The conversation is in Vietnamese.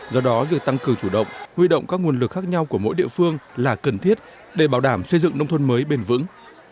do đó việc tăng cường chủ động huy động các nguồn lực khác nhau của mỗi địa phương là cần thiết để bảo đảm xây dựng nông thôn mới bền vững